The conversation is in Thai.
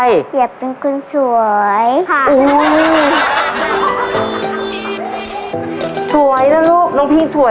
อยากเป็นคุณสวย